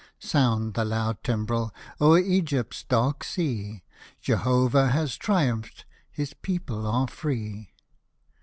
Sound the loud Timbrel o'er Egypt's dark sea, Jehovah has triumphed — his people are free.